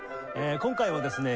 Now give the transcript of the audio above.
今回はですね